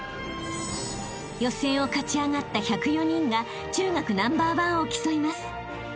［予選を勝ち上がった１０４人が中学ナンバーワンを競います］